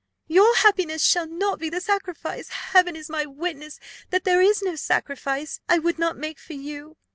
Your happiness shall not be the sacrifice. Heaven is my witness, that there is no sacrifice I would not make for you.